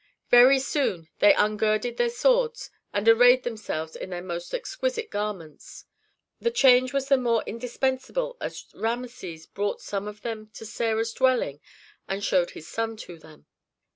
Very soon they ungirded their swords and arrayed themselves in their most exquisite garments. The change was the more indispensable as Rameses brought some of them to Sarah's dwelling and showed his son to them.